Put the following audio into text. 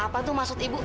apa tuh maksud ibu